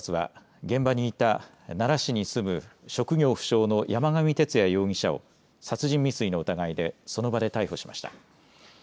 警察は現場にいた奈良市に住む職業不詳の山上徹也容疑者を殺人未遂の疑いでその場で逮捕しました。